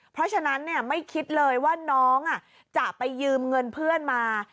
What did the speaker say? เพราะฉะนั้นไม่คิดเลยว่าน้องจะไปยืมเงินเพื่อนมา